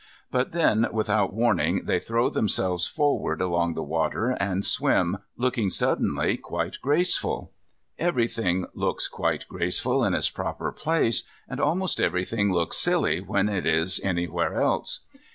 But then without warning they throw themselves forward along the water, and swim, looking, suddenly, quite graceful. Everything looks quite graceful in its proper place, and almost everything looks silly when it is anywhere else.